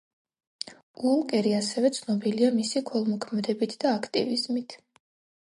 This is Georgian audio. უოლკერი, ასევე ცნობილია მისი ქველმოქმედებით და აქტივიზმით.